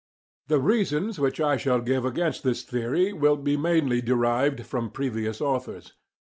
The reasons which I shall give against this theory will be mainly derived from previous authors.